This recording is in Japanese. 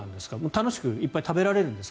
楽しくいっぱい食べられるんですか？